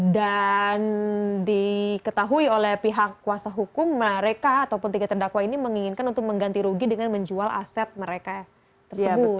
dan diketahui oleh pihak kuasa hukum mereka ataupun tiga terdakwa ini menginginkan untuk mengganti rugi dengan menjual aset mereka tersebut